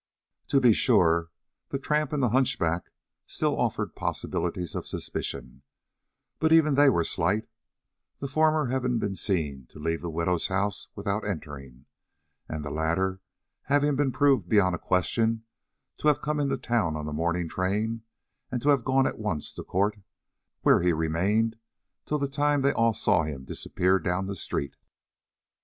To be sure, the tramp and the hunchback still offered possibilities of suspicion; but even they were slight, the former having been seen to leave the widow's house without entering, and the latter having been proved beyond a question to have come into town on the morning train and to have gone at once to court where he remained till the time they all saw him disappear down the street.